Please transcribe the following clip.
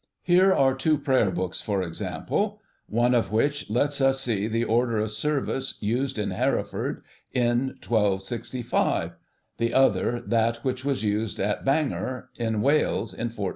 Here are two Prayer Books, for example, one of which lets us see the Order of Service used at Hereford in 1265, the other that which was used at Bangor, in Wales, in 1400.